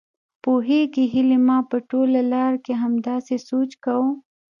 پوهېږې هيلې ما په ټوله لار کې همداسې سوچ کاوه.